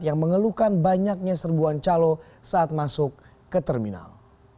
yang mengeluhkan banyaknya serbuan calo saat masuk ke terminal